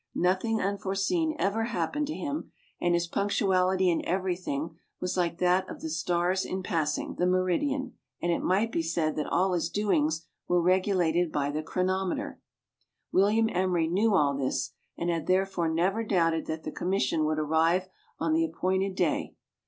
Nothing un foreseen ever happened to him, and his punctuality in every thing was like that of the stars in passing the meridian, and it might be said that all his doings were regulated by the chronometer. William Emery knew all this, and had th.ere fore never doubted that the commission would arrive on the appointed day.